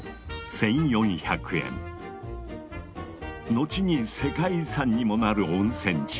なんと後に世界遺産にもなる温泉地